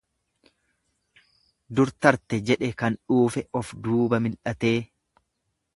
Dur tarte jedhe kan dhuufe of duuba mil'atee.